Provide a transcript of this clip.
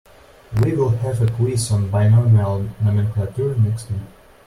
We will have a quiz on binomial nomenclature next week.